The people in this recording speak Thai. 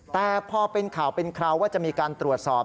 แต่พอเป็นข่าวเป็นคราวว่าจะมีการตรวจสอบ